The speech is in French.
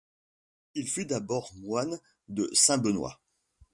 Il fut d'abord moine de saint Benoît.